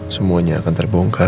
semuanya akan terbongkar